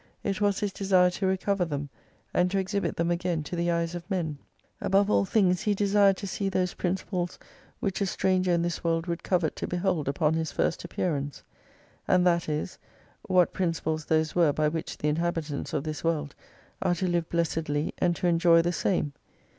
It was his desire to recover them and to exhibit them again to the eyes of men. Above all things he desired to see those principles which a stranger in this world would covet to behold upon his first appearance. And that is, what principles those were by which the inhabitants of this world are to live blessedly and to enjoy the same.